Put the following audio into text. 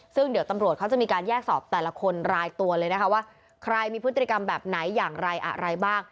ซึ่งเดี๋ยวตำรวจเขาจะมีการแยกสอบแต่ละคนรายตัวเลยนะคะว่าใครมีพฤติกรรมแบบไหนอย่างไรอะไรบ้าง